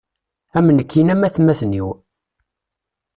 Am nekkini am atmaten-iw.